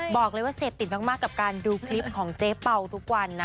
บอกเลยว่าเสพติดมากกับการดูคลิปของเจ๊เป่าทุกวันนะ